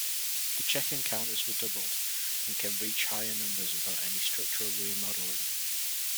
The check-in counters were doubled and can reach higher numbers without any structural remodeling.